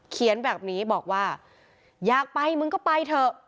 เขียนแบบนี้บอกว่าอยากไปมึงก็ไปเถอะ